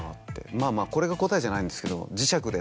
まぁまぁこれが答えじゃないんですけど。